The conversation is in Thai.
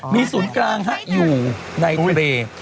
มีศูนย์กลางอยู่ในทะเล